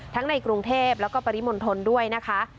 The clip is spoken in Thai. ในกรุงเทพแล้วก็ปริมณฑลด้วยนะคะ